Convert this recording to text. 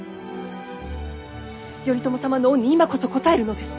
頼朝様の恩に今こそ応えるのです。